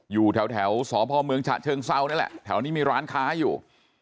อยู่แถวสพเมืองฉะเชิงเซานั่นแหละแถวนี้มีร้านค้าอยู่